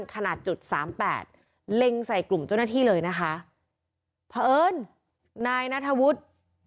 สามแปดเล็งใส่กลุ่มเจ้าหน้าที่เลยนะคะพระเอิญนายนาธวุฒิ